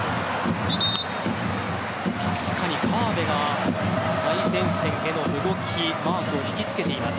確かに川辺が最前線への動きマークを引きつけています。